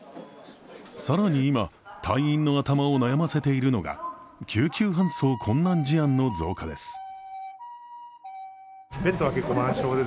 更に今隊員の頭を悩ませているのが救急搬送困難事案の増加です。